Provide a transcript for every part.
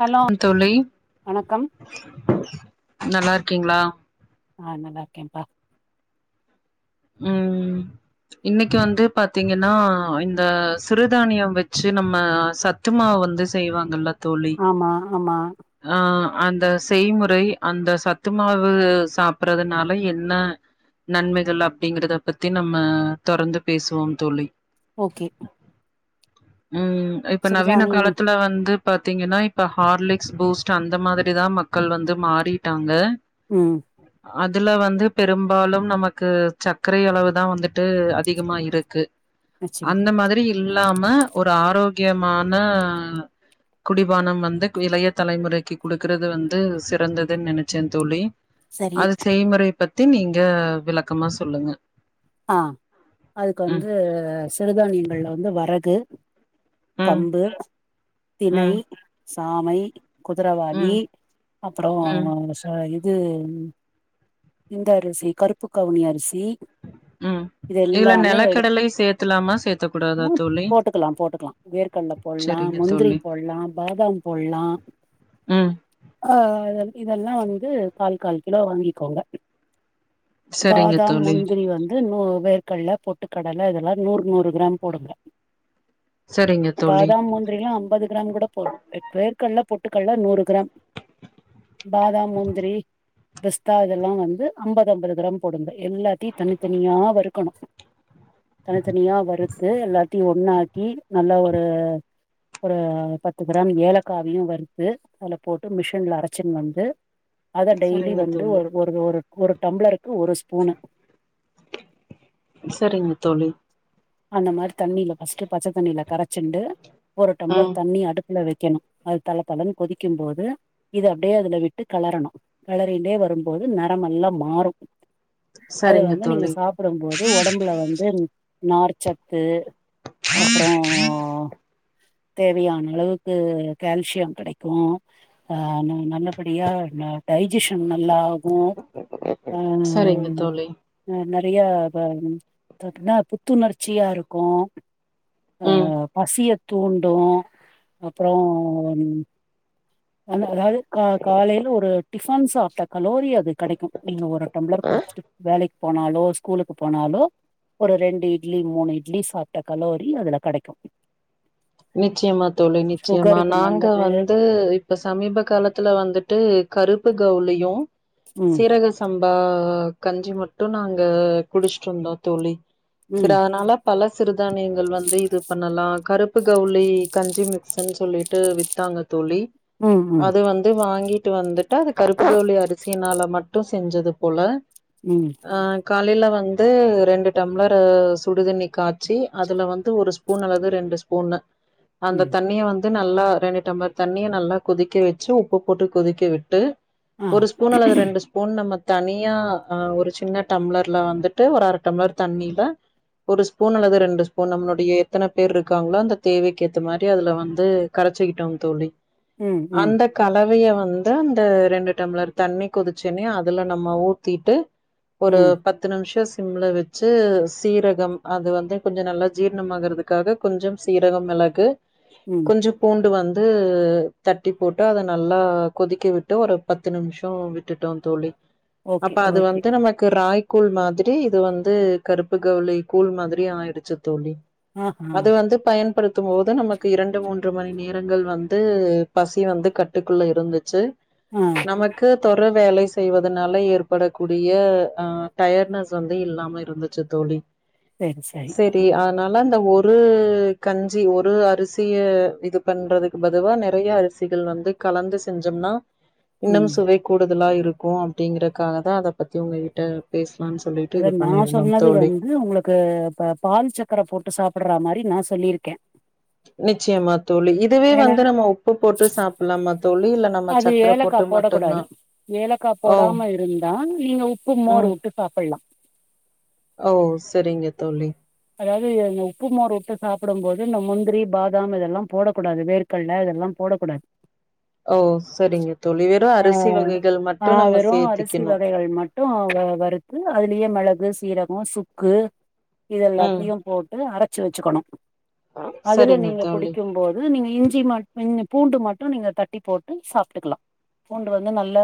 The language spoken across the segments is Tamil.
ஹலோ தோழி வணக்கம் நல்லாருக் கீங்ளா ஆ நல்லாருக்கே பா ம் இன்னக்கி வந்து பாத்தீங்கன்னா இந்த சிறுதானியம் வச்சு நம்ம சத்துமாவு வந்து செய்வாங்கல்ல தோழி ஆமா ஆமா ஆ அந்த செய்முறை அந்த சத்துமாவு சாப்பறதுனால என்ன நன்மைகள் அப் டிங்கறத பத்தி நம்ம தொடர்ந்து பேசுவோம் தோழி ஓகே ம் இப்ப நவீன சிறுதானியம் காலத்துல வந்து பாத்தீங்கன்னா இப்ப ஹார்லிக்ஸ் பூஸ்ட் அந்த மாதிரி தா மக்கள் வந்து மாறிட்டாங்க ம் அதுல வந்து பெரும்பாலும் நமக்கு சக்கரை அளவு தா வந்துட்டு அதிகமா இருக்கு நிச்சயமா அந்த மாதிரி இல்லாம ஒரு ஆரோக்கியமான குடிபானம் வந்து இளைய தலைமுறைக்கு கொடுக்கறது வந்து சிறந்ததுன்னு நனைச்சே தோழி சரி அது செய்முறை பத் தி நீங்க விளக்கமா சொ சொல்லுங்க ஆ அதுக்கு ம் வந்து சிறுதானியங்கள்ல வந்து வரகு ம் கம்பு தினை ம் சாமை குதிரவாளி ம் அப்பறோ ம் இது இந்த அரிசி கருப்பு கவுனி அரிசி ம் இது இதுல எல்லாமே எடுத் நெலக்கடலை சேத்துலாமா சேத்தக் கூடாதா தோழி போட்டுக்கலாம் போட்டுக்கலா வேர்கடல போடலா செரிங்க முந்திரி தோழி போடலாம் பாதாம் போடலா ம் ஆ இதெல்லா வந்து கால்கால் கிலோ வாங்கிக்கோங்க செரிங்க தோழி நு வேர்கல்ல பொட்டுக்கடல இதெல்லா நூறு நூறு கிராம் போடுங்க செரிங்க தோழி பாதாம் மூந்திரல்லா ஐம்பது கிராம் கூட போட்டு [unintelligible] க்கல்ல பொட்டுக்கல்ல நூறு கிராம் பாதாம் முந்திரி பிஸ்தா இதெல்லா வந்து ஐம்பது ஐம்பது கிராம் போடுங்க எல்லாத்தையு தனித்தனியா வறுக்கணு தனித்தனியா வறுத்து எல்லாத்தையு ஒண்ணாக்கி நல்லா ஒரு ஒரு பத்து கிராம் ஏலக்காவியும் வறுத்து அதுல போட்டு மிஷின்ல அரைச்சின்னு வந்து அத டெய்லி செரிங்க வந்து தோழி ஒரு ஒரு ஒரு ஒரு டம்ளருக்கு ஒரு ஸ்பூனு செரிங்க தோழி அந்த மாரி தண்ணில ஃபர்ஸ்ட்டு பச்சை தண்ணியில கரைச்சிண்டு ஒரு ம் டம்ளர் தண்ணி அடுப்புல வச் குக்கணும் அது தல தளன்னு கொதிக்கும் போது இது அப்டியே அதுல விட்டு களரணும் களறிண்டே வரும்போது நரம்லாம் மாறும் அத சரிங்க வந்து நீங்க தோழி சாப்டும் போது ஒடம்புல வந்து நார்ச்சத்து அப்பறோ தேவையான அளவுக்கு கால்சியம் கெடைக்கூ ஆ ந நல்லபடியா ந டைஜசன் நல்லாகூ அ சரிங்க தோழி அ நெரய [unintelligible] த்துணர்ச்சியா இருக்கூ ஆ ம் பசியத் தூண்டு அப்பறோ வந்த அதாது கா காலேல ஒரு டிஃபன் சாப்ட்ட கலோரி அது கெடைக்கு நீங்க ஒரு டம்ளர் குடிச்சிட்டு வேலைக் போனாலோ ஸ்கூலுக்கு போனாலோ ஒரு ரெண்டு இ இட்லி மூணு இட்லி சாப்ட்ட கலோரி அதுல கடக்கு நிச்சியமா தோழி நிச்சியமா நாங்க நல்லது வந்து இப்ப சமீப காலத்துல வந்துட்டு கருப் ப்பு கவுலியு ம் சீரக சம் பா கஞ்சி மட்டு நாங்க குடிஷ்ட்டுந்தோ தோழி ம் சரதனால பல சிறுதானியங்கள் வந்து இது பண்ணலா கருப் ப்பு கவுலி கஞ்சி மிக்ஸுன் சொல்லீட்டு வித்தாங்க தோழி ம் ம் அது வந்து வாங்கிட் ட்டு வந்துட்டது கருப்புகவுலி அரிசியினால மட்டு செஞ்சது போல ம் ஆ க காலேல வந்து ரெண்டு டம்ளர்ஸ்ரு சுடு தண்ணி காச்சி அதுல வந்து ஒரு ஸ்பூன் அல்லது ரெண்டு ஸ்ப் பூனு அந்த ம் தண்ணிய வந் து நல்லா ரெண்டு டம்ளர் தண்ணிய நல்லா கொதிக்க வெச்சி உப்பு போட்டு கொதிக்க விட்டு ஆ ஒரு ஸ்பூன் அல்லது ரெண்டு ஸ்பூன் நம்ம தனியா ஆ ஒரு சின்ன டம்ளர்ல வந்துட்டு ஒரு அர டம்ளர் தண்ணில ஒரு ஸ்பூன் அல்லது ரெண்டு ஸ்பூன் நம்மளுடைய எத்தன பேருக் க்காங்களோ அந்த தேவைக்கேத்த மாரி அதுல வந்து கரச்சிக்கிட்டோங் தோழி ம் ம் அந்த கலவைய வந் ந்து அந்த ரெண்டு டம்ளர் தண்ணி கொதிச்சன்னியு அதுல நம்ம ஊத்தீட்டு ஒரு ம் பத்து நிம்ஷோ ஸ் சிம்ல வச்சு சீரகம் அது வந்து கொஞ்சோ நல்லா ஜீர்ணமாகுறதுக்காக கொஞ்சம் சீரகம் மெளகு ம் கொஞ்ச பூண்டு வந் ந்து தட்டி போட்டு அத நல்லா கொதிக்க விட்டு ஒரு பத்து நிம்ஷோ விட்டுட்டோ தோழி ஓகே அப்ப அது ஓகே வந்து நமக்கு ராய் கூழ் மாதிரி இது வந்து கருப்பு கவுலி கூழ் மாதிரி ஆயிடுச்சி தோழி ஆ ஆ அது வந்து பயன் படுத்தும் போது நமக்கு இரண்டு மூன்று மணி நேரங்கள் வந்து பசி வந்து கட்டுக்குள்ள இருந்துச்சு ஆ நமக்கு தொர் வேலை செய்வதுனால ஏற்படக்கூடிய ஆ டயட்னஸ் வந்து இல்லாம இருந்துச்சு தோழி தே சரி னாலந்த ஒ ஒரு கஞ்சி ஒரு அரிசிய இது பண்றதுக்கு பதுவா நறையா அரிசிகள் வந்து கலந்து செஞ்சம்னா இன்னும் ம் சுவை கூடு இதெல்லா இருக்கோ அப்டிங்கறக்காகதா அத பத்தி உங்ககிட்ட பேசி அத நா சொன்னது வந்து உங்களுக்கு ப பால் சக்கர போட்டு சாப்பட்றா மாரி நா சொல்லிருக்கே நிச்சயமா தோழி இதுவே வந்து நம்ம உப்பு போட்டு சாப்புல்லாமா அது ஏலக்கா போடக் கூடாது ஏலக்கா ஓ போடாம இருந்தா நீங்க உப்பு மோர் ம் உட்டு சாப்புல்லா ஓ செரிங்க தோழி அதாது எ நீங் உப்பு மோர் உட்ட சாப்புடும் போது நம் முந்திரி பாதாம் இதெல்லா போடக்கூடாது வேர்க்கல்ல இதெல்லா போடக்கூடாது ஓ ச்ச சரிங்க தோழி வெறு அரிசி வகைகள் ஆ ஆ மட்டு நம்ம வெறு அரிசி சேத்திக்கணு வகைகள் மட்டு வ வறுத்து அதிலியே மெளகு தீரகோ சுக்கு இது ம் எல்லாத்தியு போட்டு அர சு வெச்சுக்கணோ அதுல சரிங்க நீங்க தோழி குடிக்கும் போது நீங்க இஞ்சி மட் இஞ பூண்டு மட்டு நீங்க தட்டி போட்டு சாப்ட்டுக்கிலா பூண்டு வந்து நல்ல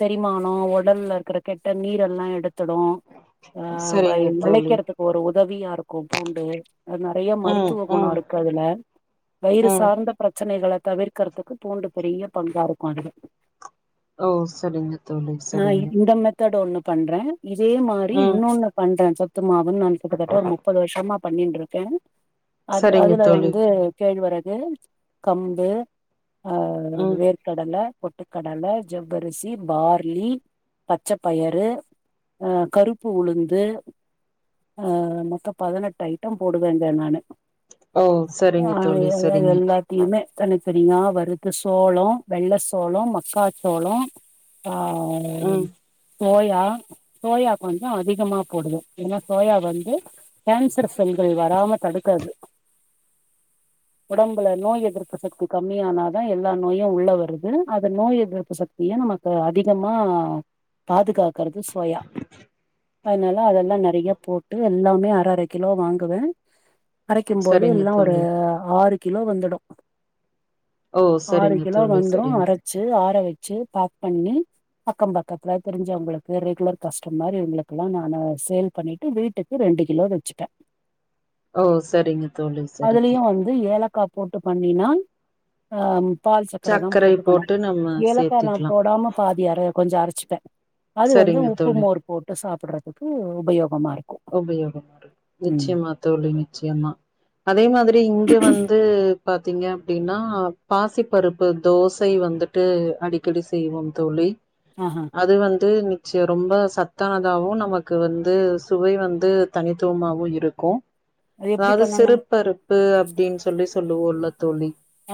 செரிமானோ ஒடல்ல இருக்கற கெட்ட நீரெல்லா எடு துடோ ஆ சரிங்க வயில் தோழி விளைக்கிறதுக்கு ஒரு ஒ தவியா இருக்கோ பூண்டே அத் நெறைய ம் மருத்துவ கொணோ ம் அருக்கதுல வயிறு ம் சார்ந்த பிரச்சனைகள தவிர்க்கறதுக்கு பூண்டு பெரிய பங்கா இருக்கோ அதுல ஓ செரிங்க தோழி செரிங்க தட் ஒன்னு பண்றே இதே மாரி இன்னொன்னு பண்றே தோ துமாவுன்னு கிட்டத்தட்ட ஒரு முப்பது வர்ஷமா பண்ணின்ட்ருக்கே அது சரிங்க அதுல தோழி வந்து கேழ்வரகு கம்பு ஆ ம் வேர்க் கடல பொட்டுக்கடல ஜவ்வரிசி பார்லி பச்சப்பயறு ஆ கருப்பு உளுந்து ஆ மொத்த பதினெட்டு ஐட்டம் போடுவேங்க நானு ஓ சரிங்க ஆ தோழி சரிங்க எல்லாத்தியுமே தனி [unintelligible] வருது சோளோ வெள்ள சோளோ மக்கா சோளோ ஆ ம் சோயா சோயா கொஞ்சோ அதிகமா போடுவோ என்னா சோயா வந்து கேன்சர் செல்கள் வராம தடு காது ஒடம்புல நோய் எதிர்ப்பு சக்தி கம்மியானதா எல்லா நோயு உள்ள வருது அத நோய் எதிர்ப்பு சக்திய நமக்கு அதிகமா பாதுகா கறது சோயா ஃபைனல் த அதெல்லா நெறைய யு எல்லாமே அர அர கிலோ வாங்குவே அரைக்கும் போது சரிங்க எல்லா ஒரு தோழி ஆறு கிலோ வந்துடோ ஓ ஆறு சரிங்க கிலோ தோழி வந்துரோ சரிங்க அரச்சு ஆற வெ ச்சு பேக் பண்ணி அக்கம் பக்கத்துல தெரிஞ்சவங்களுக்கு ரெகுலர் கஷ்டமர் இவுங்குளுக்குலா நானு சேல் பண்ணி டு வீட்டுக்கு ரெண்டு கிலோ வெச்சுப்பே ஓ செரிங்க தோழி செரிங்க அதுலயு வந்து ஏலக்கா போட்டு பண்ணினால் ஆம் பால் சக்கரதா சர்க்கரை போட்டுக்கணு போட்டு நம்ம ஏலக்கா நா சேத்திக்கலா போடாம பாதிய அர கொஞ்சோ அரைச்சு பே அது வந்து சரிங்க உப்பு மோர் போட்டு சாப் போட்றதுக்கு உபயோ உபயோகோ நிச்சியமா தோழி நிச்சியமா அதே மாதிரி இங்க வந்து பாத்தீங்க அப்டினா பாசிப்பருப்பு தோசை வந்துட்டு அடிக்கடி செய்வோம் தோழி ஆஹா அது வந்து சே ரொம்ப சத்தானதாவோ நமக்கு வந்து துவை வந்து தனித்துவமாவு இருக்கோ அது எப்டி அதாது பண்ணனு சிறு பரு பு அப்டின் சொல்லி சொல்லுவோலக் தோழி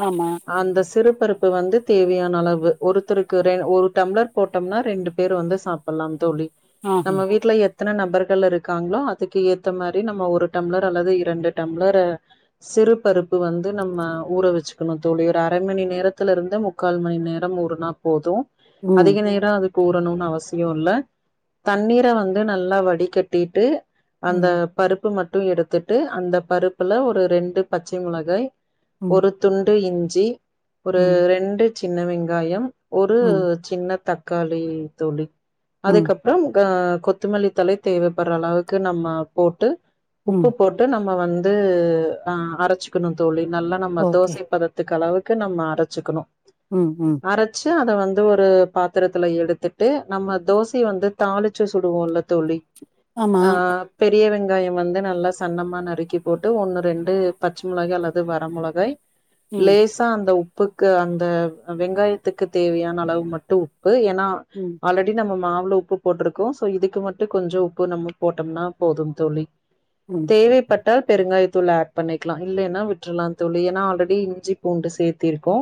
ஆமா அந்த சிறு பரு ப்ப வந்து தேவையான அளவு ஒருத்தருக்கு ரெ ஒரு டம்ளர் போட்டம்னா ரெண்டு பேர் வந்து சாப்பில்லாம் தோழி ஆஹா நம்ம வீட்ல எ எத்தன நபர் ட்ல இருக்காங்ளோ அதுக்கு ஏத்த மாரி நம்ம ஒரு டம்ளர் அல்லது இரண்டு டம்ளரு சிறு பருப்பு வந்து நம்ம ஊற வெச்சுக்கணு தோழி ஒரு அர மணி நேரத்துல இருந்து முக்கால் மணி நேரம் ஊறுனா போதோ ம் அதிக நேரோ அது பூறணுன் அவசியு இல்ல தண்ணீர வந்து நல்லா வடிக்க டீட்டு அந்த ம் பருப்பு ம டு எடுத்துட்டு அந்த பருப்புல ஒரு ரெண்டு பச்சை முளகாய் ம் ஒரு துண்டு இஞ் சி ஒரு ம் ரெண்டு சின்ன வெங்காயம் ஒரு ம் சின்ன தக் காளி தோழி ம் அதுக்கப்றம் கா கொத்துமல்லி தழை தேவைப்படுற அளவுக்கு நம்ம போட்டு உப்பு ம் போட்டு நம் நம் வந்து அ அரைச்சுக்கணு தோழி நல்லா நம்ம ஓகே தோசைப்பதத்துக்கு அளவுக் க்கு நம்ம அரச்சுக்கணு ம் ம் அரச்சு அ அத வந்து ஒரு பாத்திரத்துல எடுத்துட்டு நம்ம தோசய வந்து தாளிச்சு சுடுவோல்ல தோழி ஆமா ஆ பெரியவெங் ங்காய வந்து நல்லா சன்னமாக நறுக்கி போட்டு ஒன்று ரெண்டு பச்ச மொளகாய் அல்லது வர மொளகாய் ம் லேசா அந்த உப் உப்புக்கு அந்த வெங்காயத்துக்கு தேவையான அளவு மட்டு உ ப்பு ஏன்னா ம் ஆல்ரெடி நம்ம மாவு ல்ல உப்பு போட்டிருக்கோ சோ இதுக்கு மட்டு கொஞ்ச உப் ப்பு நம்ம போட்டோம்னா போதும் தோழி ம் தேவைப்பட் பெருங்காய் தூள் ஆட் பண்ணிக்கலா இல்லலைன்னா விட்டுரலா தோழி ஏன்னா ஆல்ரெடி இஞ்சிபூண்டு சேத்திருக்கோ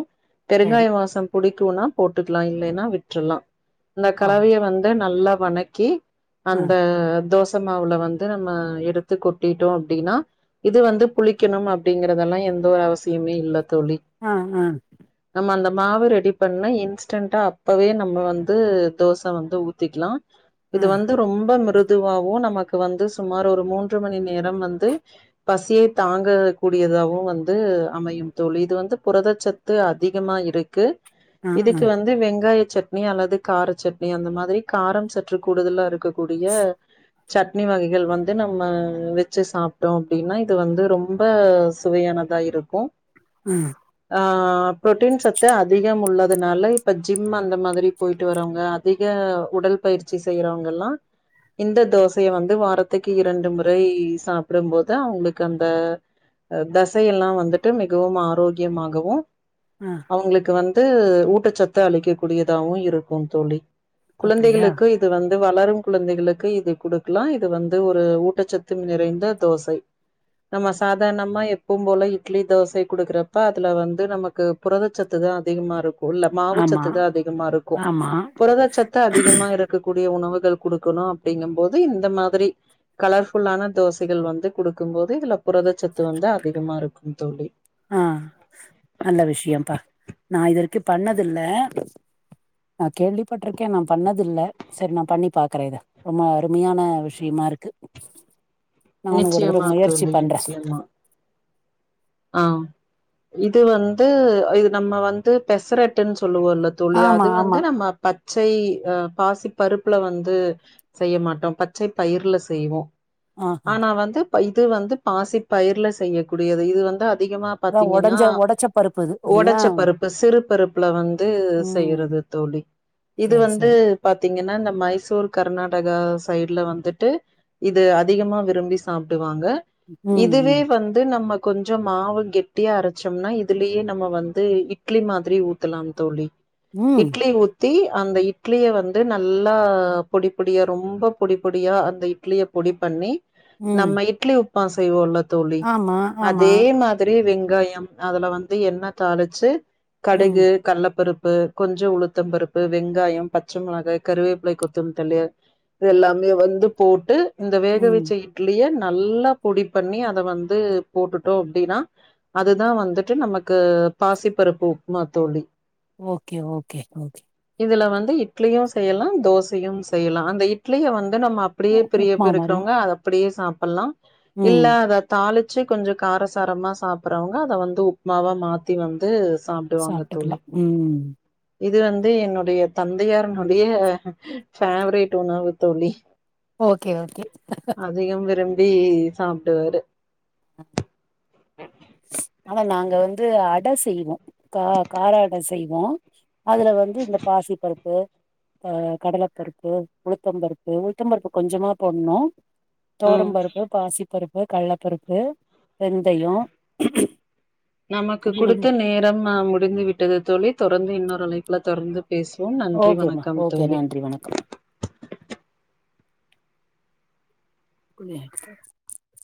சரி பெருங்காய வாசம் புடிக் னா போட்டுக்கலா இல்லைன்னா விட்றலா இந்த கலவய வந்து நல்லா வணக்கி அ அந்த தோச மாவுல வந்து நம்ம எடுத்து கொட்டிட்டோ அப்டின்னா இது வந்து புளிக்கணும் அப்படிங்கறதெல்லா எந்த ஒரு அவசியமே இல்ல தோழி ஆ ஆ ஆ நம்ம அந்தப் மாவு ரெடி பண்ண இன்ஸ்டண்டட்டா அப்பவே நம்ம வந்து தோச வந்து ஊத்திக்கலா ஆ இது வந்து ரொம் ரொம்ப மிருதுவாவு நமக்கு வந்து சுமார் ஒரு மூன்று மணி நேரம் வந்து பசிய தாங்க கூடியதாவவு வந்து அமையு தோழி இது வந்து புரதச்சத்து அதிகமா இருக்கு ஆ இதுக்கு வந்து வெங்காய சட்னி அல்லது கார சட்னி அந்த மாதிரி காரம் சற்று கூடுதலா இருக்கக் கூடிய சட்னி வகைகள் வந்து நம்ம வச்சு சாப்ட்டோ அப்டின்னா இது வந்து ரொம்ப சுவையானதா இருக்கு ம் ஆ பு்ரோட்டீன் சத்து அதிகம் உள்ளதுனால இப்போ ஜிம் அந்த மாதிரி போயிட்டு வரவங்க அதிக உடல் பயிற்சி செய்யறவங்கல்லா இந்த தோசையை வந்து வாரத்துக்கு இரண்டு முறை சாப்டும்போது அவங்களுக்கு அந்த தசையெல்லா வந்துட்டு மிகவும் ஆரோக்கியமாகவு ஆ அவங்களுக்கு வந் வந்து ஊட்டச்சத்து அழிக்க கூடியதாவவு இருக்கு தோழி அப்டியா குழந்தைகளுக்கு இது வந் து வளரும் குழந்தைகளுக்கு இது குடுக்கலா இது வந்து ஒரு ஊட்டச்சத்து நிறைந்த தோசை நம்ம சாதாரணமா எப்போம் போல இட்லி தோசை குடுக்குறப்ப அதுல வந்து நமக்கு புரதச்சத்து தா அதிகமா இருக்கு ஆமா மாவச்சத்து தா அதிகமா இருக்கு ஆமா புரதச்சத்து அதிகமா இருக்கக்கூடிய உணவுக் குடுக்கணு அப்படிங்கும் போது இந்த மாதிரி கலர்ஃபுல்லான தோசைகள் வந்து குடுக்கும் போது இதுல புரதச்சத்து வந்து அதிகமா இருக்கு தோழி ஆஹ நல்ல விஷயம்ப்பா நா இதுவரைக்கு பண்ணதில்ல நா கேள்விப்பட்டிருக்கே நா பண்ணதுல்ல சரி நா பண்ணி பாக்குறே இத ரொம்ப அருமையான விஷயமா இருக்கு நானு ஒரு தடவ நிச்சயமா முயற்சி தோழி பண்றே நிச்சயமா ஆ இது வந்து இது நம்ம வந்து பெசரட்டுனு சொ சொல்லுவோல்ல தோழி ஆமா அது வந்து ஆமா நம்ம பச்சை ஆ பாசி பருப்புல வந்து செய்யமாட்டோ பச்சை பயிர்ல செய்வோ ஆ ஆனா வந்து இது வந்து பாசி பயர்ல செய்யக்கூடியது இது வந் அதிகமா அதா பாத்தீங்கன்னா ஒடஞ்ச ஒடச்ச பருப்பு இது இல்லையா ஒடச்ச பருப்பு சிறுபருப்புல வந்து ம் செய்யறது தோழி இது சரி வந்து சரி பாத்தீங்கன்னா இந்த மைச டோர் கர்நாடகா சைடு்ல வந்துட்டு இது அதிகமா விரும்பி சாப்டுவாங் க ம் இதுவே ம் வந்து நமக் கொஞ்ச மாவு கெட்டியா அரைச்சொம்னா இதுலயே நம்ம வந்து இட்லி மாதிரி ஊத்தலா தோழி ம் இட்லி ஊத் தி அந்த இட்லிய வந்து நல்லா பொடி பொடியா ரொம்ப பொடி பொடியா அந்த இட்லிய பொடி பண்ணி ம் நம்ம இட்லி ப்பா செய்வோல ஆமா ஆமா அதே மாதிரி வெங் ங்காயம் அதுல வந்து என்ன தாளிச்சு ம் கடுகு கள்ளப்பருப் ப்பு கொஞ்ச உளுத்தம் பருப்பு வெங்காயம் பச்ச மொளகாய் கருவேப்பலை கொத்தமல்லிதளை இது எல்லாமே வந்து போட்டு இந்த வேக ம் வச்ச இட்லிய நல்லா பொடி பண்ணி அத வந்து போட்டுட்டோ அப்டின்னா அதுதா வந்துட்டு நமக்கு பாசிப்பருப்பு உப்மா தோழி ஓகே ஓகே ஓகே இதுல வந்து இட்லியு செய்யலா தோசையும் செய்யலா அந்த இட்லிய வந் து நம்ம அப்டியே பெரிய உப்மா பேர் மாரியு இருக்கிறவங்க அத அப்டியே சாப்ட் பண்லா இல்ல ம் அத தாழி வச்சு கொஞ்ச காரசாரமாக சாப்பறவங்க அத வந்து உப்புமாவா மாத்தி வந்து சாப்டுவாங்க சாப்ட்டுக்கலா தோழி ம் இது வந்து என்னுடைய தந்தையாரனுடைய ஃபேவரைட் உணவு தோழி ஓகே ஓகே ப்படி சாப்டுவாரு [inaudible] அ ஆனா நாங்க வந்து அட செய்வோ கா கார அட செய்வோ அதுல வந்து இந்த பாசி பருப்பு அ கடலைப்பருப்பு உளுத்தம் பருப்பு உளுத்தம் பருப்பு கொஞ்சமா போடணு ம் தோரம் பருப்பு பாசி பருப் பு கள்ளப்பருப்பு வெந்தய [inaudible] நமக்கு குடுத்த நேரம் அ முடிந்து விட்டது தோழி தொடர்ந்து இன்னொரு அழைப்ல தொறந்து பேசுவோ நன்றி ஓகேமா வணக்கம் ஓகே தோழி நன்றி [unintelligible]